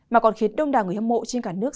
mà còn khiến đông đảo người hâm mộ trên cả nước